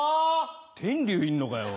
天龍いんのかよ